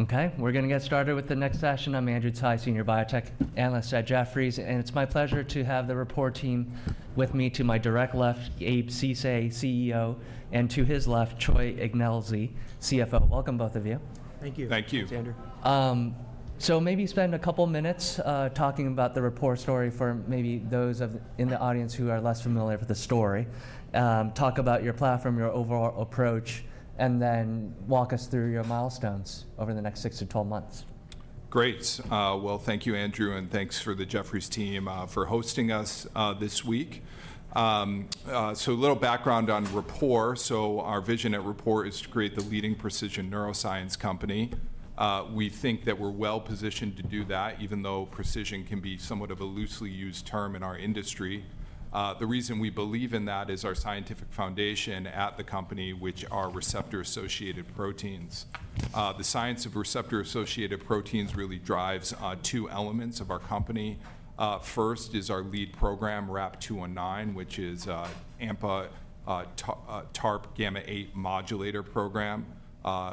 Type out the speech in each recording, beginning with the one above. Okay, we're going to get started with the next session. I'm Andrew Tai, Senior Biotech Analyst at Jefferies, and it's my pleasure to have the Rapport team with me to my direct left, Abe Ceesay, CEO, and to his left, Troy Ignelzi, CFO. Welcome, both of you. Thank you. Thank you, Sander. Maybe spend a couple of minutes talking about the Rapport story for maybe those in the audience who are less familiar with the story. Talk about your platform, your overall approach, and then walk us through your milestones over the next six to 12 months. Great. Thank you, Andrew, and thanks to the Jefferies team for hosting us this week. A little background on Rapport. Our vision at Rapport is to create the leading precision neuroscience company. We think that we're well positioned to do that, even though precision can be somewhat of a loosely used term in our industry. The reason we believe in that is our scientific foundation at the company, which are receptor-associated proteins. The science of receptor-associated proteins really drives two elements of our company. First is our lead program, RAP-219, which is an AMPA TARPγ8 modulator program.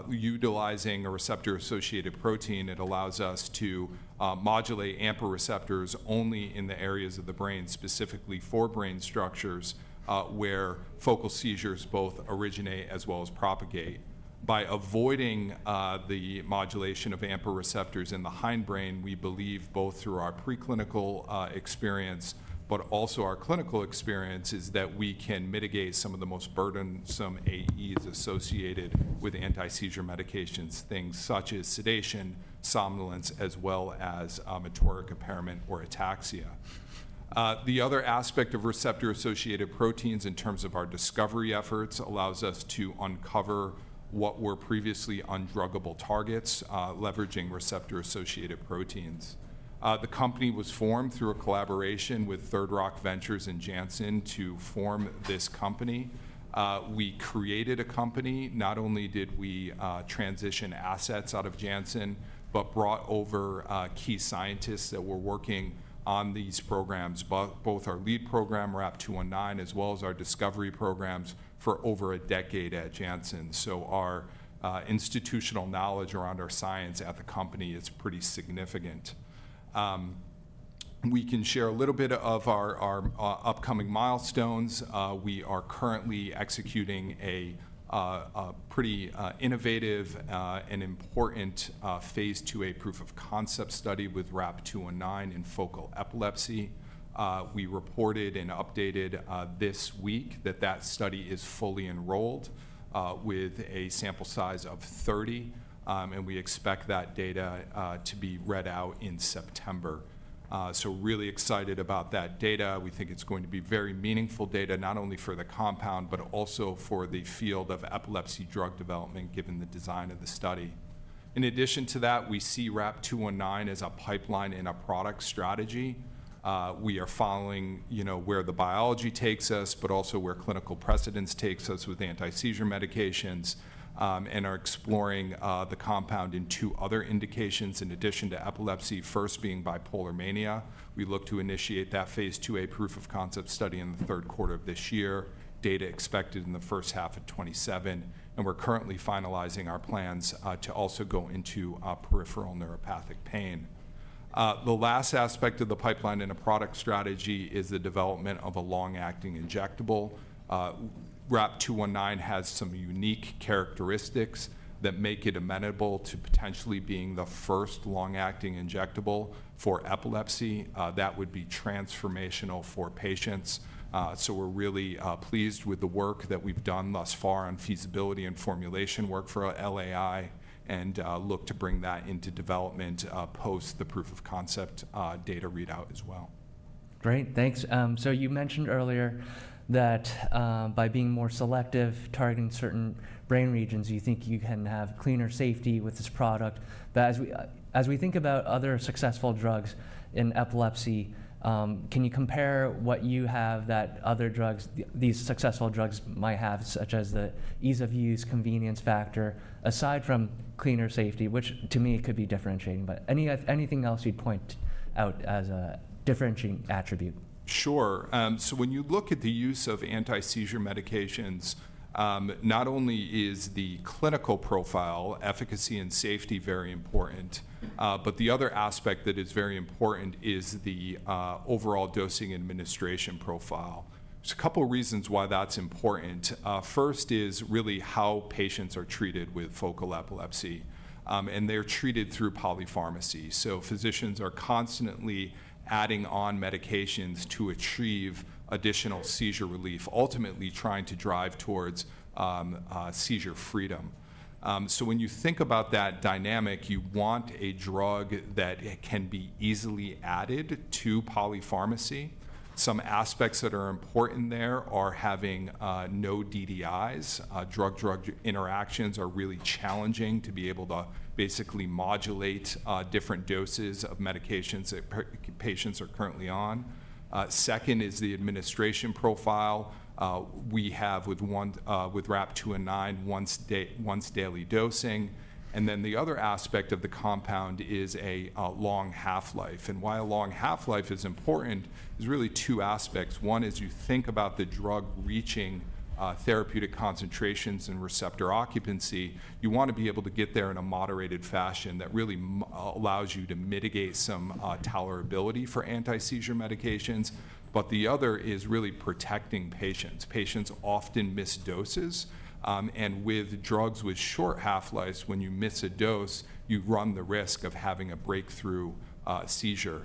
Utilizing a receptor-associated protein, it allows us to modulate AMPA receptors only in the areas of the brain, specifically for brain structures where focal seizures both originate as well as propagate. By avoiding the modulation of AMPA receptors in the hindbrain, we believe, both through our preclinical experience, but also our clinical experience, is that we can mitigate some of the most burdensome AEs associated with anti-seizure medications, things such as sedation, somnolence, as well as motoric impairment or ataxia. The other aspect of receptor-associated proteins, in terms of our discovery efforts, allows us to uncover what were previously undruggable targets, leveraging receptor-associated proteins. The company was formed through a collaboration with Third Rock Ventures and Janssen to form this company. We created a company. Not only did we transition assets out of Janssen, but brought over key scientists that were working on these programs, both our lead program, RAP-219, as well as our discovery programs for over a decade at Janssen. So our institutional knowledge around our science at the company is pretty significant. We can share a little bit of our upcoming milestones. We are currently executing a pretty innovative and important phase IIA proof of concept study with RAP-219 in focal epilepsy. We reported and updated this week that that study is fully enrolled with a sample size of 30, and we expect that data to be read out in September so really excited about that data. We think it's going to be very meaningful data, not only for the compound, but also for the field of epilepsy drug development, given the design of the study. In addition to that, we see RAP-219 as a pipeline in our product strategy. We are following where the biology takes us, but also where clinical precedence takes us with anti-seizure medications and are exploring the compound in two other indications, in addition to epilepsy, first being bipolar mania. We look to initiate that phase IIA proof of concept study in the third quarter of this year, data expected in the first half of 2027. We're currently finalizing our plans to also go into peripheral neuropathic pain. The last aspect of the pipeline in the product strategy is the development of a long-acting injectable. RAP-219 has some unique characteristics that make it amenable to potentially being the first long-acting injectable for epilepsy. That would be transformational for patients. We're really pleased with the work that we've done thus far on feasibility and formulation work for LAI and look to bring that into development post the proof of concept data readout as well. Great, thanks. You mentioned earlier that by being more selective, targeting certain brain regions, you think you can have cleaner safety with this product. As we think about other successful drugs in epilepsy, can you compare what you have that other drugs, these successful drugs, might have, such as the ease of use, convenience factor, aside from cleaner safety, which to me could be differentiating? Anything else you'd point out as a differentiating attribute? Sure. When you look at the use of anti-seizure medications, not only is the clinical profile, efficacy and safety very important, but the other aspect that is very important is the overall dosing administration profile. There are a couple of reasons why that's important. First is really how patients are treated with focal epilepsy, and they're treated through polypharmacy. Physicians are constantly adding on medications to achieve additional seizure relief, ultimately trying to drive towards seizure freedom. When you think about that dynamic, you want a drug that can be easily added to polypharmacy. Some aspects that are important there are having no DDIs. Drug-drug interactions are really challenging to be able to basically modulate different doses of medications that patients are currently on. Second is the administration profile. We have with RAP-219, once daily dosing. The other aspect of the compound is a long half-life. Why a long half-life is important is really two aspects. One is you think about the drug reaching therapeutic concentrations and receptor occupancy. You want to be able to get there in a moderated fashion that really allows you to mitigate some tolerability for anti-seizure medications. The other is really protecting patients. Patients often miss doses, and with drugs with short half-lives, when you miss a dose, you run the risk of having a breakthrough seizure.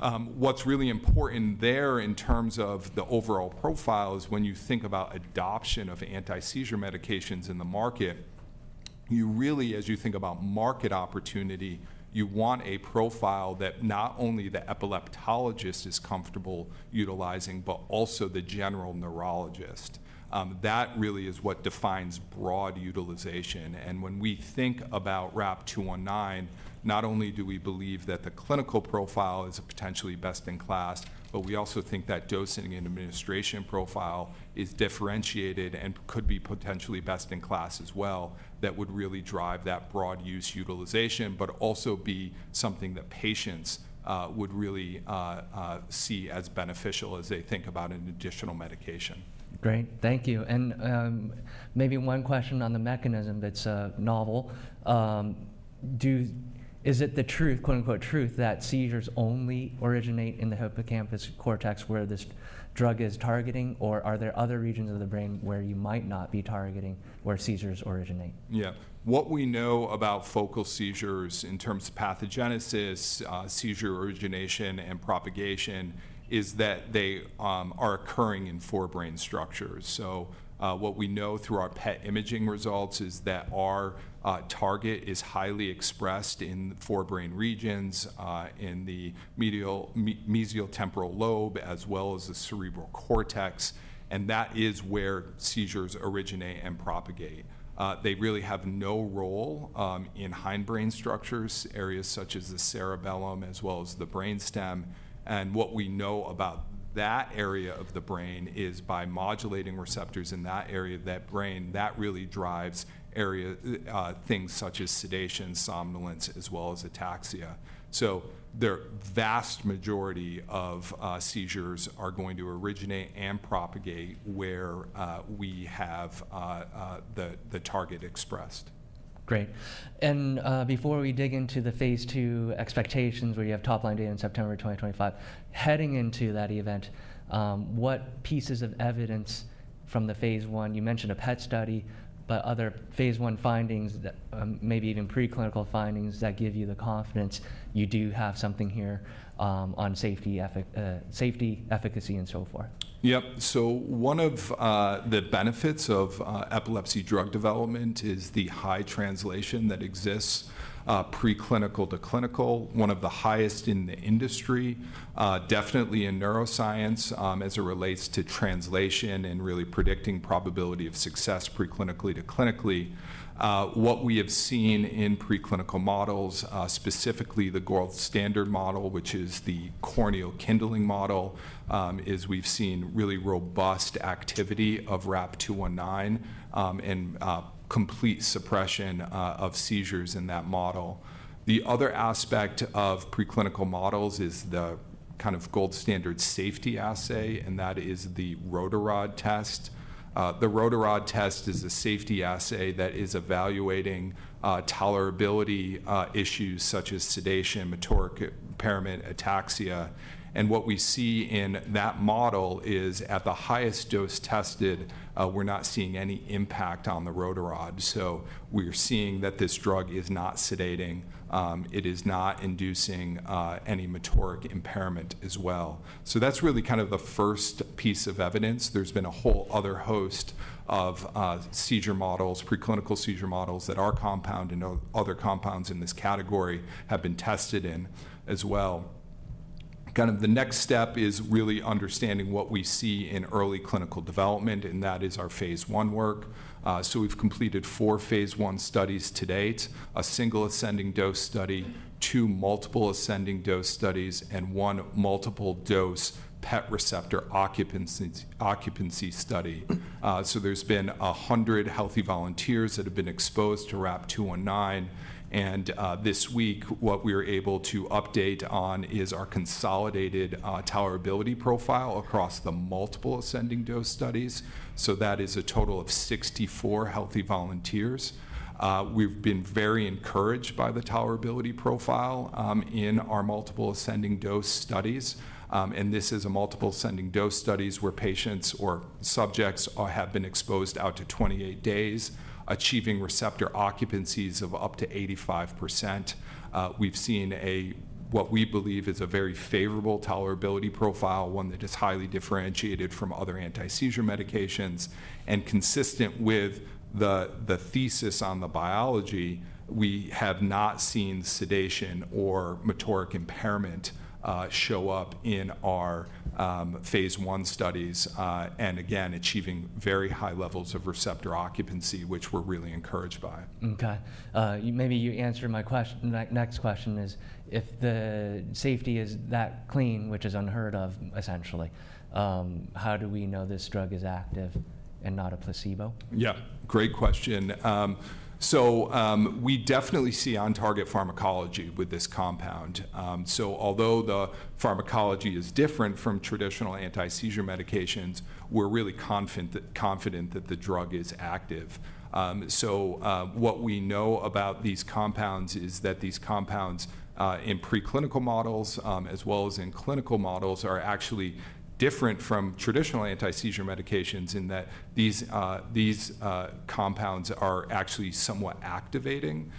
What's really important there in terms of the overall profile is when you think about adoption of anti-seizure medications in the market, you really, as you think about market opportunity, you want a profile that not only the epileptologist is comfortable utilizing, but also the general neurologist. That really is what defines broad utilization. When we think about RAP-219, not only do we believe that the clinical profile is potentially best in class, but we also think that dosing and administration profile is differentiated and could be potentially best in class as well that would really drive that broad use utilization, but also be something that patients would really see as beneficial as they think about an additional medication. Great, thank you. Maybe one question on the mechanism that's novel. Is it the truth, "truth" that seizures only originate in the hippocampus cortex where this drug is targeting, or are there other regions of the brain where you might not be targeting where seizures originate? Yeah, what we know about focal seizures in terms of pathogenesis, seizure origination, and propagation is that they are occurring in forebrain structures. What we know through our PET imaging results is that our target is highly expressed in the forebrain regions, in the mesial temporal lobe, as well as the cerebral cortex. That is where seizures originate and propagate. They really have no role in hindbrain structures, areas such as the cerebellum, as well as the brainstem. What we know about that area of the brain is by modulating receptors in that area of the brain, that really drives things such as sedation, somnolence, as well as ataxia. There are vast majority of seizures are going to originate and propagate where we have the target expressed. Great. Before we dig into the phase II expectations, where you have top line data in September 2025, heading into that event, what pieces of evidence from the phase I, you mentioned a PET study, but other phase I findings, maybe even preclinical findings that give you the confidence you do have something here on safety, efficacy, and so forth? Yep. One of the benefits of epilepsy drug development is the high translation that exists preclinical to clinical, one of the highest in the industry, definitely in neuroscience as it relates to translation and really predicting probability of success preclinically to clinically. What we have seen in preclinical models, specifically the gold standard model, which is the corneal kindling model, is we've seen really robust activity of RAP-219 and complete suppression of seizures in that model. The other aspect of preclinical models is the kind of gold standard safety assay, and that is the Rotarod test. The Rotarod test is a safety assay that is evaluating tolerability issues such as sedation, motoric impairment, ataxia. What we see in that model is at the highest dose tested, we're not seeing any impact on the Rotarod. We're seeing that this drug is not sedating. It is not inducing any motoric impairment as well. That's really kind of the first piece of evidence. There's been a whole other host of seizure models, preclinical seizure models that our compound and other compounds in this category have been tested in as well. Kind of the next step is really understanding what we see in early clinical development, and that is our phase I work. We've completed four phase I studies to date, a single ascending dose study, two multiple ascending dose studies, and one multiple dose PET receptor occupancy study. There's been 100 healthy volunteers that have been exposed to RAP-219. This week, what we are able to update on is our consolidated tolerability profile across the multiple ascending dose studies. That is a total of 64 healthy volunteers. We've been very encouraged by the tolerability profile in our multiple ascending dose studies. This is a multiple ascending dose studies where patients or subjects all have been exposed out to 28 days, achieving receptor occupancies of up to 85%. We've seen what we believe is a very favorable tolerability profile, one that is highly differentiated from other anti-seizure medications. Consistent with the thesis on the biology, we have not seen sedation or motoric impairment show up in our phase I studies, and again, achieving very high levels of receptor occupancy, which we're really encouraged by. Okay. Maybe you answered my next question is if the safety is that clean, which is unheard of, essentially, how do we know this drug is active and not a placebo? Yeah, great question. We definitely see on-target pharmacology with this compound. Although the pharmacology is different from traditional anti-seizure medications, we're really confident that the drug is active. What we know about these compounds is that these compounds in preclinical models, as well as in clinical models, are actually different from traditional anti-seizure medications in that these compounds are actually somewhat activating.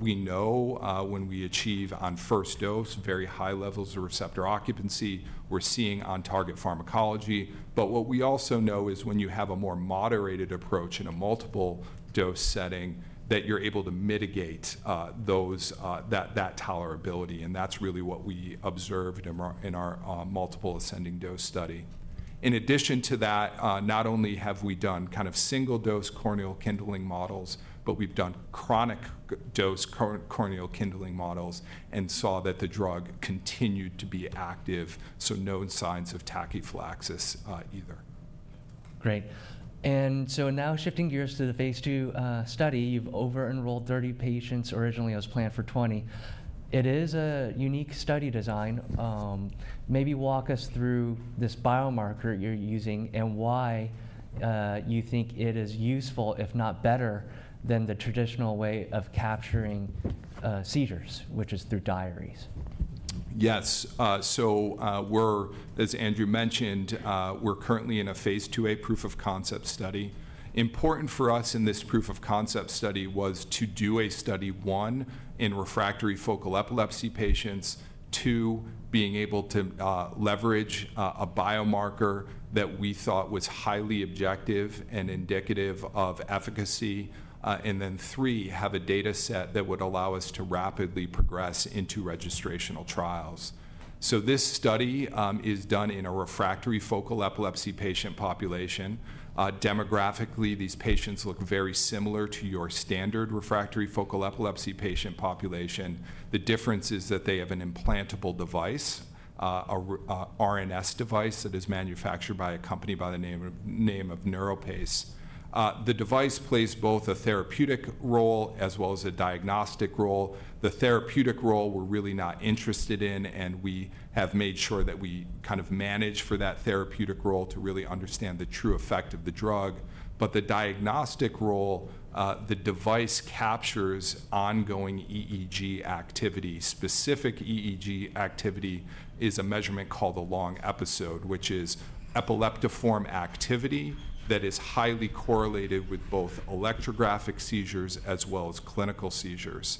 We know when we achieve on first dose very high levels of receptor occupancy, we're seeing on-target pharmacology. What we also know is when you have a more moderated approach in a multiple dose setting, you're able to mitigate that tolerability. That's really what we observed in our multiple ascending dose study. In addition to that, not only have we done kind of single dose corneal kindling models, but we've done chronic dose corneal kindling models and saw that the drug continued to be active. No signs of tachyphylaxis either. Great. Now shifting gears to the phase II study, you've over-enrolled 30 patients. Originally, it was planned for 20. It is a unique study design. Maybe walk us through this biomarker you're using and why you think it is useful, if not better, than the traditional way of capturing seizures, which is through diaries. Yes. As Andrew mentioned, we're currently in a phase IIA proof of concept study. Important for us in this proof of concept study was to do a study 1, in refractory focal epilepsy patients. Two, being able to leverage a biomarker that we thought was highly objective and indicative of efficacy, and then three, have a data set that would allow us to rapidly progress into registrational trials. This study is done in a refractory focal epilepsy patient population. Demographically, these patients look very similar to your standard refractory focal epilepsy patient population. The difference is that they have an implantable device, an RNS device that is manufactured by a company by the name of NeuroPace. The device plays both a therapeutic role as well as a diagnostic role. The therapeutic role, we're really not interested in, and we have made sure that we kind of manage for that therapeutic role to really understand the true effect of the drug. The diagnostic role, the device captures ongoing EEG activity. Specific EEG activity is a measurement called the long episode, which is Epileptiform activity that is highly correlated with both electrographic seizures as well as clinical seizures.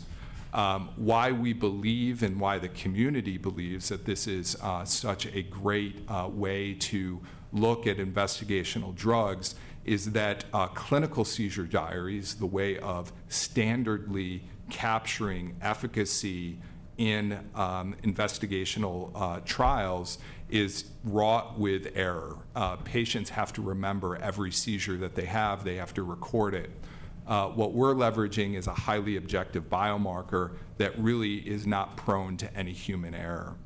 Why we believe and why the community believes that this is such a great way to look at investigational drugs is that clinical seizure diaries, the way of standardly capturing efficacy in investigational trials, is wrought with error. Patients have to remember every seizure that they have. They have to record it. What we're leveraging is a highly objective biomarker that really is not prone to any human error.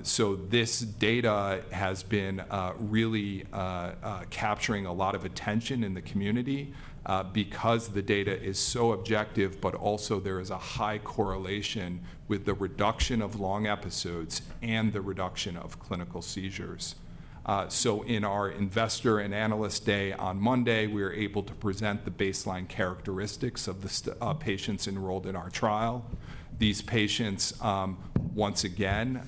This data has been really capturing a lot of attention in the community because the data is so objective, but also there is a high correlation with the reduction of long episodes and the reduction of clinical seizures. In our investor and analyst day on Monday, we are able to present the baseline characteristics of the patients enrolled in our trial. These patients, once again,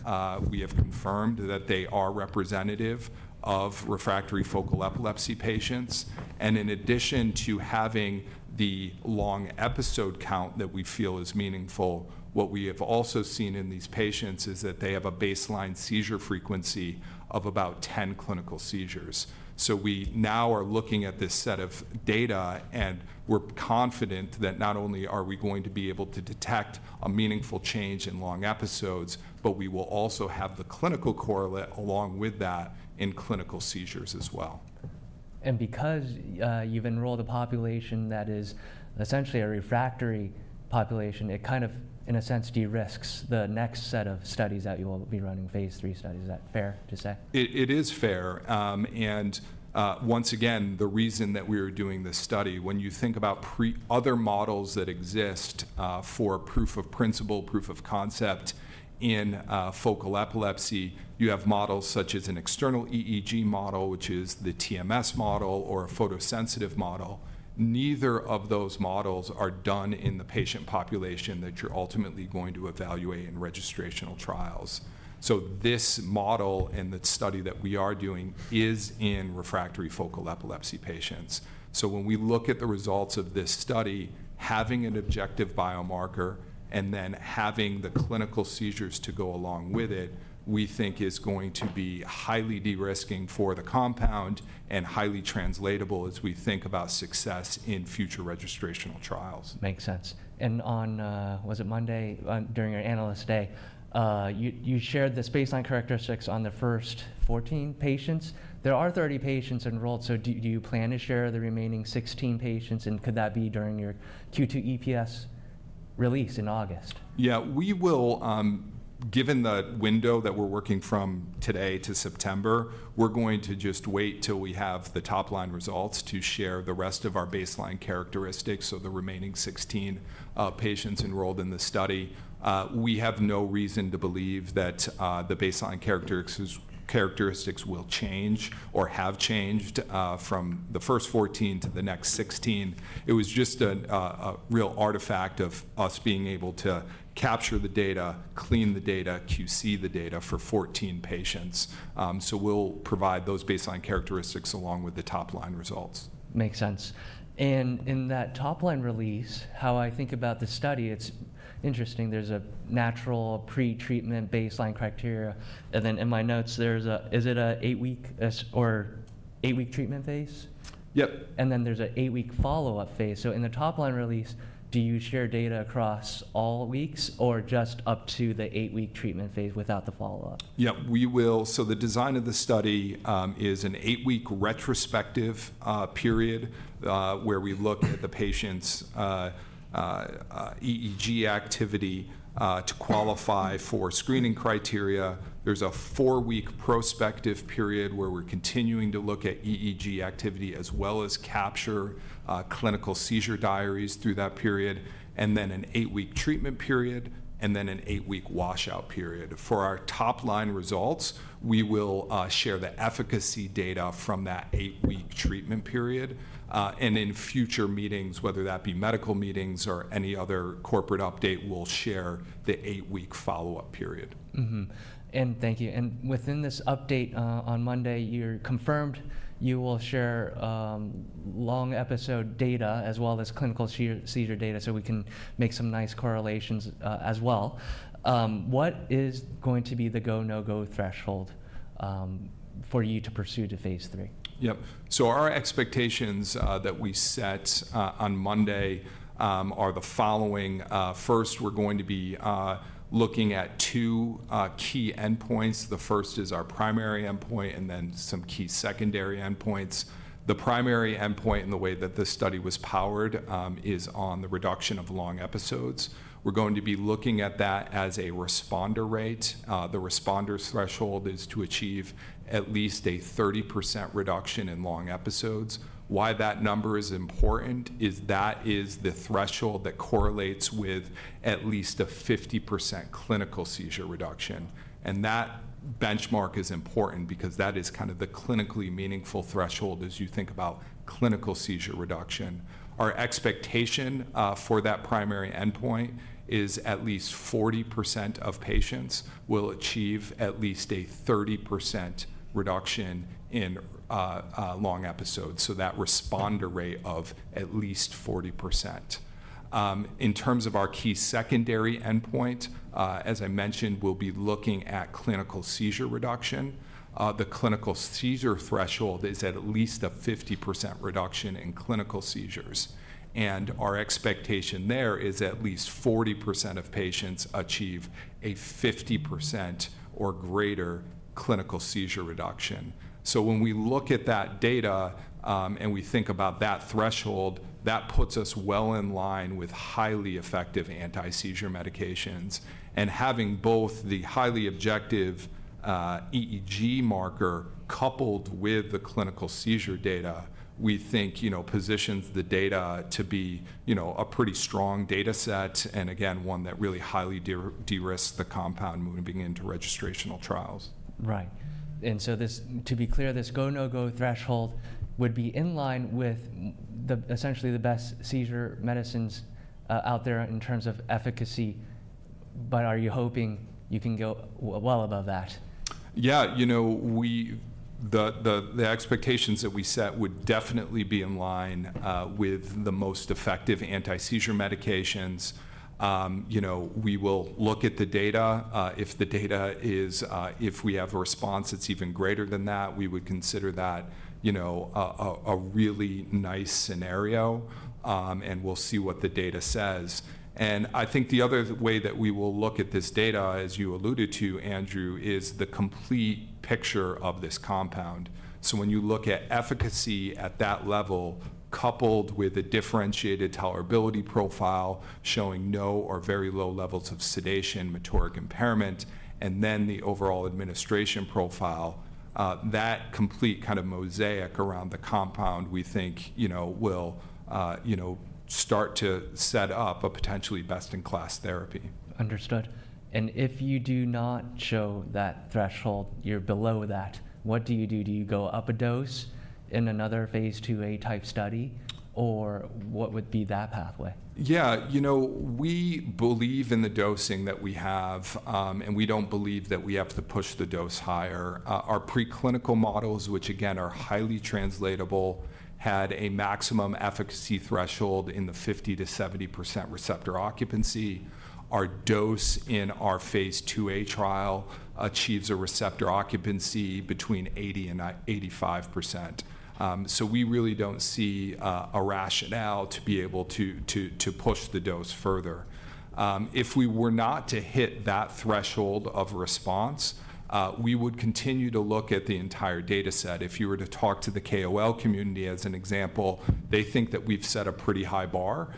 we have confirmed that they are representative of refractory focal epilepsy patients. In addition to having the long episode count that we feel is meaningful, what we have also seen in these patients is that they have a baseline seizure frequency of about 10 clinical seizures. We now are looking at this set of data, and we're confident that not only are we going to be able to detect a meaningful change in long episodes, but we will also have the clinical correlate along with that in clinical seizures as well. Because you've enrolled a population that is essentially a refractory population, it kind of, in a sense, de-risks the next set of studies that you will be running, phase III studies. Is that fair to say? It is fair. Once again, the reason that we are doing this study, when you think about other models that exist for proof of principle, proof of concept in focal epilepsy, you have models such as an external EEG model, which is the TMS model, or a photosensitive model. Neither of those models are done in the patient population that you're ultimately going to evaluate in registrational trials. This model and the study that we are doing is in refractory focal epilepsy patients. When we look at the results of this study, having an objective biomarker and then having the clinical seizures to go along with it, we think is going to be highly de-risking for the compound and highly translatable as we think about success in future registrational trials. Makes sense. On, was it Monday during your analyst day, you shared the baseline characteristics on the first 14 patients. There are 30 patients enrolled. Do you plan to share the remaining 16 patients? Could that be during your Q2 EPS release in August? Yeah, we will, given the window that we're working from today to September, we're going to just wait till we have the top line results to share the rest of our baseline characteristics of the remaining 16 patients enrolled in the study. We have no reason to believe that the baseline characteristics will change or have changed from the first 14 to the next 16. It was just a real artifact of us being able to capture the data, clean the data, QC the data for 14 patients. So we'll provide those baseline characteristics along with the top line results. Makes sense. In that top line release, how I think about the study, it's interesting. There's a natural pretreatment baseline criteria. In my notes, is it an eight-week treatment phase? Yep. There is an eight-week follow-up phase. In the top line release, do you share data across all weeks or just up to the eight-week treatment phase without the follow-up? Yep, we will. The design of the study is an eight-week retrospective period where we look at the patient's EEG activity to qualify for screening criteria. There's a four-week prospective period where we're continuing to look at EEG activity as well as capture clinical seizure diaries through that period, and then an eight-week treatment period, and then an eight-week washout period. For our top line results, we will share the efficacy data from that eight-week treatment period. In future meetings, whether that be medical meetings or any other corporate update, we'll share the eight-week follow-up period. Thank you. Within this update on Monday, you confirmed you will share long episode data as well as clinical seizure data so we can make some nice correlations as well. What is going to be the go, no-go threshold for you to pursue to phase III? Yep. Our expectations that we set on Monday are the following. First, we're going to be looking at two key endpoints. The first is our primary endpoint and then some key secondary endpoints. The primary endpoint and the way that this study was powered is on the reduction of long episodes. We're going to be looking at that as a responder rate. The responders' threshold is to achieve at least a 30% reduction in long episodes. Why that number is important is that is the threshold that correlates with at least a 50% clinical seizure reduction. That benchmark is important because that is kind of the clinically meaningful threshold as you think about clinical seizure reduction. Our expectation for that primary endpoint is at least 40% of patients will achieve at least a 30% reduction in long episodes. That responder rate of at least 40%. In terms of our key secondary endpoint, as I mentioned, we'll be looking at clinical seizure reduction. The clinical seizure threshold is at least a 50% reduction in clinical seizures. Our expectation there is at least 40% of patients achieve a 50% or greater clinical seizure reduction. When we look at that data and we think about that threshold, that puts us well in line with highly effective anti-seizure medications. Having both the highly objective EEG marker coupled with the clinical seizure data, we think positions the data to be a pretty strong data set and again, one that really highly de-risk the compound moving into registrational trials. Right. To be clear, this go, no-go threshold would be in line with essentially the best seizure medicines out there in terms of efficacy. Are you hoping you can go well above that? Yeah. You know, the expectations that we set would definitely be in line with the most effective anti-seizure medications. We will look at the data. If we have a response, it's even greater than that, we would consider that a really nice scenario, and we'll see what the data says. I think the other way that we will look at this data, as you alluded to, Andrew, is the complete picture of this compound. When you look at efficacy at that level, coupled with a differentiated tolerability profile showing no or very low levels of sedation, motoric impairment, and then the overall administration profile, that complete kind of mosaic around the compound we think will start to set up a potentially best-in-class therapy. Understood. If you do not show that threshold, you are below that, what do you do? Do you go up a dose in another phase IIA type study, or what would be that pathway? Yeah. You know, we believe in the dosing that we have, and we don't believe that we have to push the dose higher. Our preclinical models, which again are highly translatable, had a maximum efficacy threshold in the 50%-70% receptor occupancy. Our dose in our phase IIA trial achieves a receptor occupancy between 80%-85%. So we really don't see a rationale to be able to push the dose further. If we were not to hit that threshold of response, we would continue to look at the entire data set. If you were to talk to the KOL community as an example, they think that we've set a pretty high bar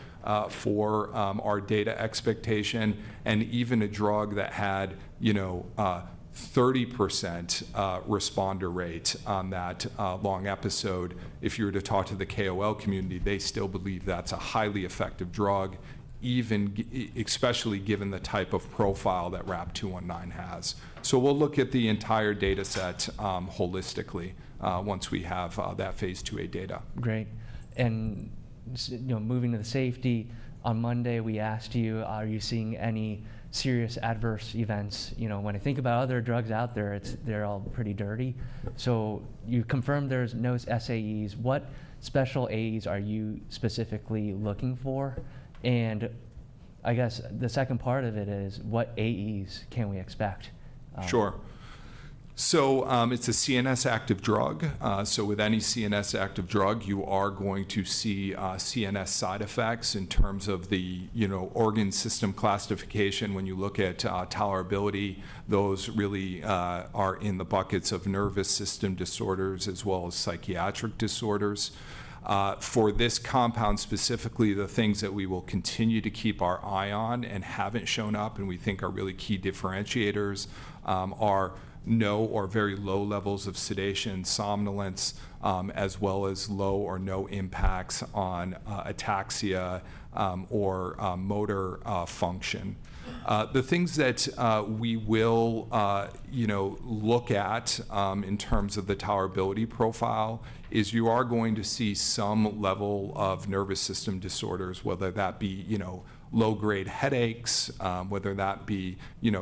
for our data expectation. Even a drug that had 30% responder rate on that long episode, if you were to talk to the KOL community, they still believe that's a highly effective drug, especially given the type of profile that RAP-219 has. We will look at the entire data set holistically once we have that phase IIA data. Great. Moving to the safety, on Monday, we asked you, are you seeing any serious adverse events? When I think about other drugs out there, they're all pretty dirty. You confirmed there's no SAEs. What special AEs are you specifically looking for? I guess the second part of it is, what AEs can we expect? Sure. It is a CNS active drug. With any CNS active drug, you are going to see CNS side effects in terms of the organ system classification. When you look at tolerability, those really are in the buckets of nervous system disorders as well as psychiatric disorders. For this compound specifically, the things that we will continue to keep our eye on and haven't shown up and we think are really key differentiators are no or very low levels of sedation, somnolence, as well as low or no impacts on ataxia or motor function. The things that we will look at in terms of the tolerability profile is you are going to see some level of nervous system disorders, whether that be low-grade headaches, whether that be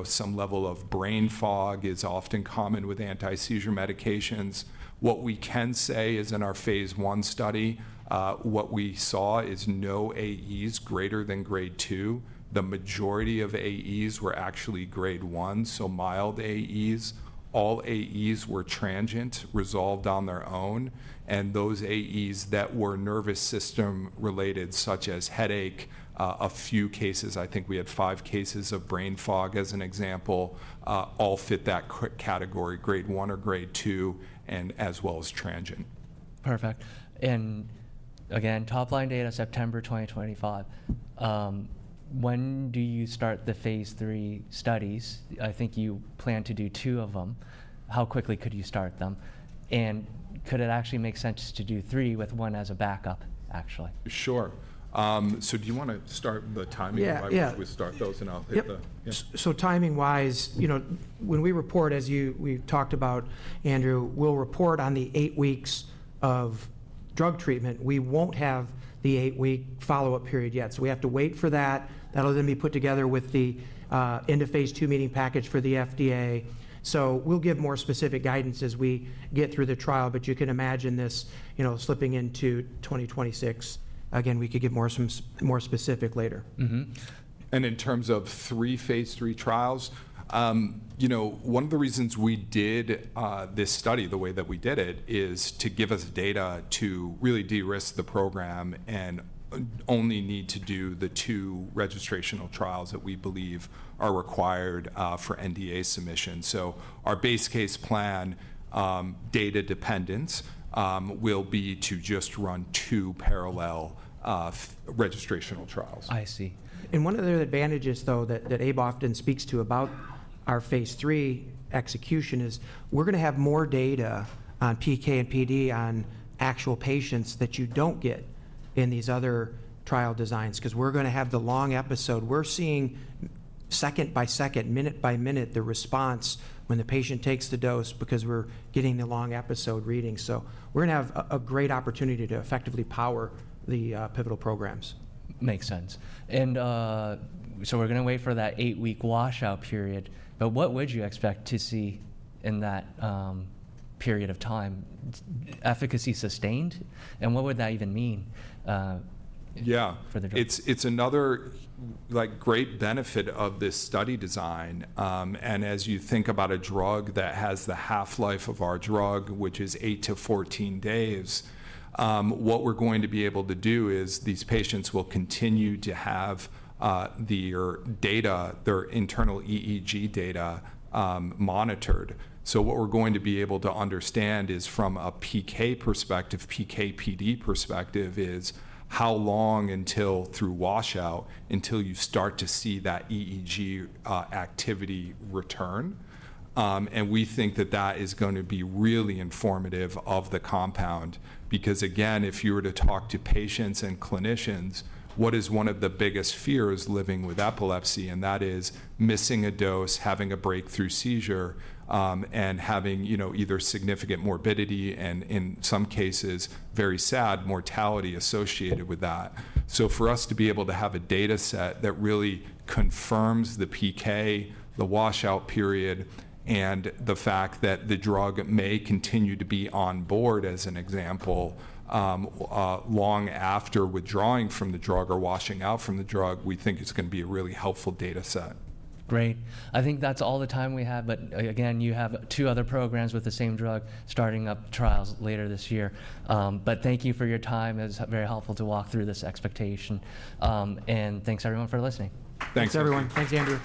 some level of brain fog is often common with anti-seizure medications. What we can say is in our phase 1 study, what we saw is no AEs greater than grade 2. The majority of AEs were actually grade 1, so mild AEs. All AEs were transient, resolved on their own. Those AEs that were nervous system related, such as headache, a few cases, I think we had five cases of brain fog as an example, all fit that category, grade 1 or grade 2, and as well as transient. Perfect. Again, top line data, September 2025. When do you start the phase III studies? I think you plan to do two of them. How quickly could you start them? Could it actually make sense to do three with one as a backup, actually? Sure. Do you want to start the timing? Yeah. Yeah. I would start those and I'll hit that. Timing-wise, when we report, as we talked about, Andrew, we'll report on the eight weeks of drug treatment. We won't have the eight-week follow-up period yet. We have to wait for that. That'll then be put together with the end of phase 2 meeting package for the FDA. We'll give more specific guidance as we get through the trial. You can imagine this slipping into 2026. Again, we could get more specific later. In terms of three phase III trials, one of the reasons we did this study the way that we did it is to give us data to really de-risk the program and only need to do the two registrational trials that we believe are required for NDA submission. Our base case plan, data dependent, will be to just run two parallel registrational trials. I see. One of the advantages, though, that Abe often speaks to about our phase 3 execution is we're going to have more data on PK and PD on actual patients that you don't get in these other trial designs because we're going to have the long episode. We're seeing second by second, minute by minute, the response when the patient takes the dose because we're getting the long episode reading. We're going to have a great opportunity to effectively power the pivotal programs. Makes sense. We're going to wait for that eight-week washout period. What would you expect to see in that period of time, efficacy sustained? What would that even mean for the drug? Yeah. It's another great benefit of this study design. As you think about a drug that has the half-life of our drug, which is 8 to 14 days, what we're going to be able to do is these patients will continue to have their data, their internal EEG data monitored. What we're going to be able to understand is from a PK perspective, PK/PD perspective, is how long through washout until you start to see that EEG activity return. We think that that is going to be really informative of the compound because, again, if you were to talk to patients and clinicians, what is one of the biggest fears living with epilepsy? That is missing a dose, having a breakthrough seizure, and having either significant morbidity and, in some cases, very sad mortality associated with that. For us to be able to have a data set that really confirms the PK, the washout period, and the fact that the drug may continue to be on board, as an example, long after withdrawing from the drug or washing out from the drug, we think it's going to be a really helpful data set. Great. I think that's all the time we have. Again, you have two other programs with the same drug starting up trials later this year. Thank you for your time. It's very helpful to walk through this expectation. Thanks, everyone, for listening. Thanks, everyone. Thanks, Andrew.